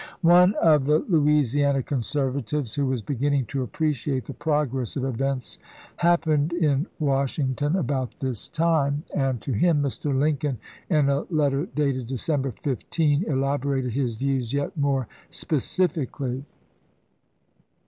One of the Louisiana conservatives who was beginning to appreciate the progress of events happened in Washington about this time, 426 ABRAHAM LINCOLN ch. XVII. and to him Mr. Lincoln, in a letter dated December 1863. 15, elaborated his views yet more specifically.